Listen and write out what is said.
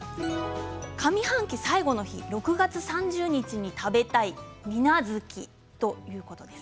上半期最後の日６月３０日に食べたい水無月ということです。